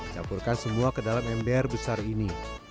campurkan semua ke dalam ember besar ini